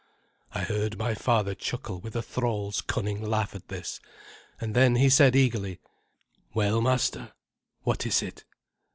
I heard my father chuckle with a thrall's cunning laugh at this, and then he said eagerly, "Well, master, what is it?"